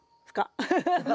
ハハハハッ。